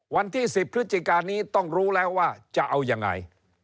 วันที่๑๐พฤศจิกานี้ต้องรู้แล้วว่าจะเอายังไง